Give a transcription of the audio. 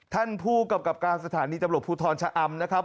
ท่านผู้กำกับการสถานีตำรวจภูทรชะอำนะครับ